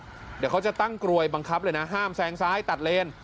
เดี๋ยวเขาจะตั้งกลวยบังคับเลยนะห้ามแซงซ้ายตัดเลน